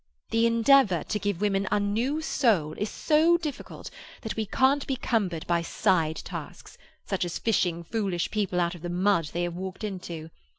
The endeavour to give women a new soul is so difficult that we can't be cumbered by side tasks, such as fishing foolish people out of the mud they have walked into.